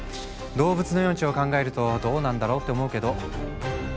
動物の命を考えるとどうなんだろうって思うけど。